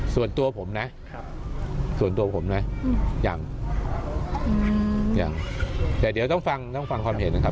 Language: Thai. ส่วนตัวผมนะส่วนตัวผมนะยังยังแต่เดี๋ยวต้องฟังต้องฟังความเห็นนะครับ